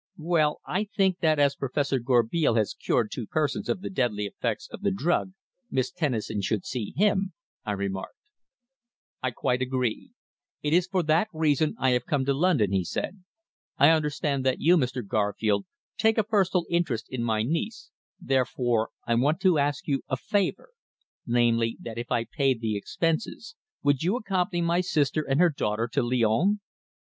"Well, I think that as Professor Gourbeil has cured two persons of the deadly effects of the drug Miss Tennison should see him," I remarked. "I quite agree. It is for that reason I have come to London," he said. "I understand that you, Mr. Garfield, take a personal interest in my niece, therefore I want to ask you a favour namely, that if I pay the expenses would you accompany my sister and her daughter to Lyons?"